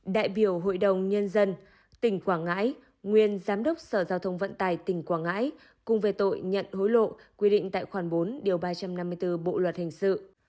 đại biểu hội đồng nhân dân tỉnh quảng ngãi nguyên giám đốc sở giao thông vận tài tỉnh quảng ngãi cùng về tội nhận hối lộ quy định tại khoản bốn điều ba trăm năm mươi bốn bộ luật hình sự